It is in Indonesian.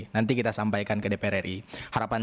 nanti kita sampaikan ke dpr ri harapan